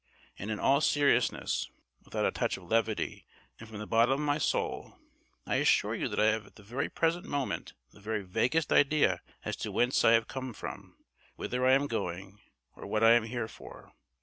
And in all seriousness, without a touch of levity, and from the bottom of my soul, I assure you that I have at the present moment the very vaguest idea as to whence I have come from, whither I am going, or what I am here for.